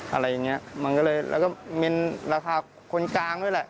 อะไรอย่างเงี้ยมันก็เลยแล้วก็เม้นราคาคนกลางด้วยแหละ